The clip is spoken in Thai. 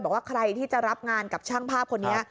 บอกว่าใครที่จะรับงานกับช่างภาพคนนี้